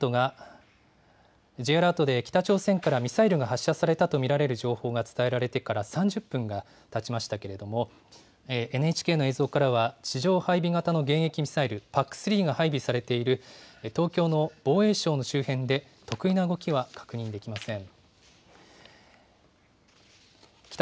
Ｊアラートで北朝鮮からミサイルが発射されたと見られる情報が伝えられてから３０分がたちましたけれども、ＮＨＫの映像からは、地上配備型の迎撃ミサイル、ＰＡＣ３が配備されている東京の防衛省の周辺で特異な動きは確認できません。